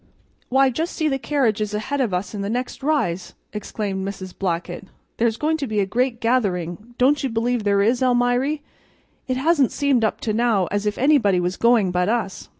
"Why, just see the carriages ahead of us on the next rise!" exclaimed Mrs. Blackett. "There's going to be a great gathering, don't you believe there is, Almiry? It hasn't seemed up to now as if anybody was going but us.